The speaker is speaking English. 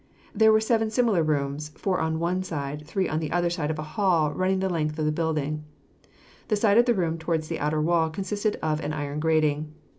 There were seven similar rooms, four on one side and three on the other side of a hall running the length of the building. The side of the room towards the outer wall consisted of an iron grating.